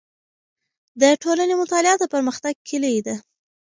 د ټولنې مطالعه د پرمختګ کیلي ده.